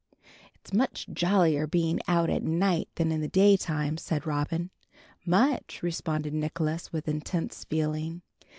"It's much jollier being out at night than in the daytime," said Robin. "Much," responded Nicholas, with intense feeling.